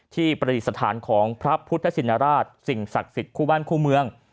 ประดิษฐานของพระพุทธชินราชสิ่งศักดิ์สิทธิ์คู่บ้านคู่เมือง